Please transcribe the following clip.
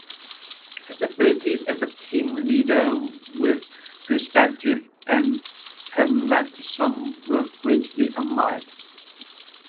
His abilities as a team leader with perspective and pragmatism were greatly admired.